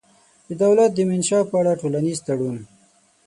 د دولت د منشا په اړه ټولنیز تړون